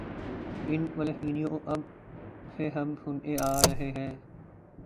ان فلسفیوں کو کب سے ہم سنتے آ رہے ہیں۔